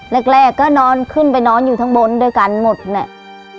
แรกก็นอนขึ้นไปนอนอยู่ข้างบนด้วยกันหมดเนี่ย